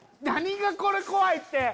何がこれ怖いって。